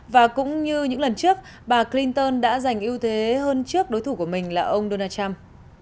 và cũng như những lần trước bà clinton đã giành ưu thế hơn trước đối thủ của mình là ông donald trump